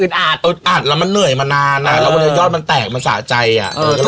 อาจอึดอัดแล้วมันเหนื่อยมานานอ่ะแล้วมันจะยอดมันแตกมันสะใจอ่ะ